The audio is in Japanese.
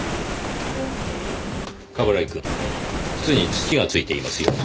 冠城くん靴に土がついていますよ。